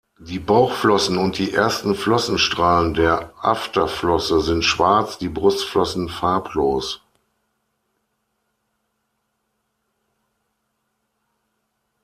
Die Bauchflossen und die ersten Flossenstrahlen der Afterflosse sind schwarz, die Brustflossen farblos.